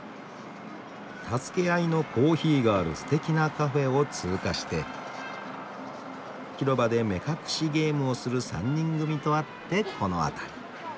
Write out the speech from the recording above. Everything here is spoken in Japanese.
助け合いのコーヒーがあるすてきなカフェを通過して広場で目隠しゲームをする３人組と会ってこの辺り。